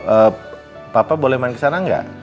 eh papa boleh main kesana nggak